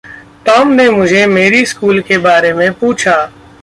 Tom ने मुझे मेरी स्कूल के बारे में पूछा।